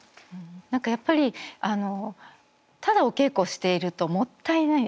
何かやっぱりただお稽古しているともったいない。